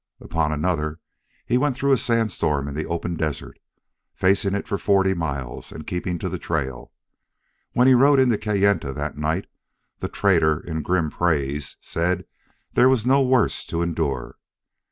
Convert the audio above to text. Upon another he went through a sand storm in the open desert, facing it for forty miles and keeping to the trail; When he rode in to Kayenta that night the trader, in grim praise, said there was no worse to endure.